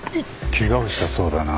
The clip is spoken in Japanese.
ケガをしたそうだな。